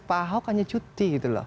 pak ahok hanya cuti